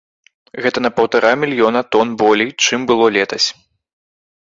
Гэта на паўтара мільёна тон болей, чым было летась.